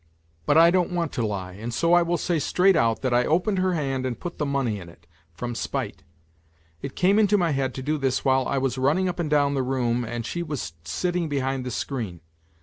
But I don't want to lie, and so I will say straight out that I opened her hand and put the money in it ... from spite. It came into my head to do this while I was running up and down the room and she was sitting behind the screen.